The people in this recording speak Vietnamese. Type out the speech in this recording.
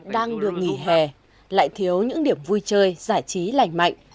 đang được nghỉ hè lại thiếu những điểm vui chơi giải trí lành mạnh